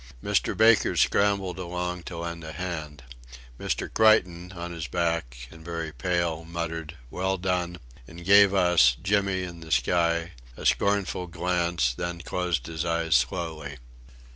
Mr. Baker scrambled along to lend a hand. Mr. Creighton, on his back, and very pale, muttered, "Well done," and gave us, Jimmy and the sky, a scornful glance, then closed his eyes slowly.